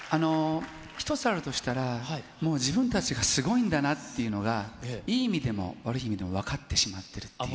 １つあるとしたら、もう自分たちがすごいんだなっていうのが、いい意味でも悪い意味でも分かってしまっているっていう。